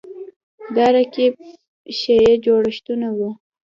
دا رقیب شیعه جوړښتونه وو